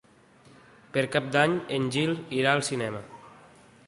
Per Cap d'Any en Gil irà al cinema.